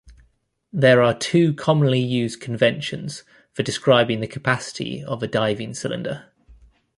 There are two commonly used conventions for describing the capacity of a diving cylinder.